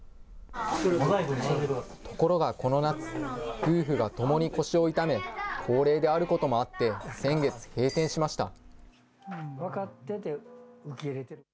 ところがこの夏、夫婦がともに腰を痛め、高齢であることもあって、先月、閉店しました。